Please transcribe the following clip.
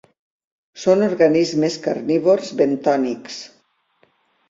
Són organismes carnívors bentònics.